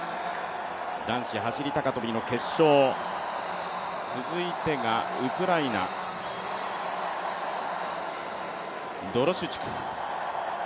男子走高跳の決勝、続いてがウクライナ、ドロシュチュク。